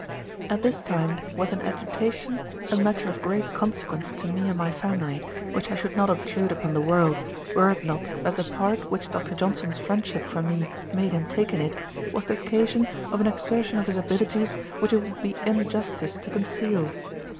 At this time was in agitation a matter of great consequence to me and my family, which I should not obtrude upon the world, were it not that the part which Dr. Johnson's friendship for me made him take in it, was the occasion of an exertion of his abilities, which it would be injustice to conceal.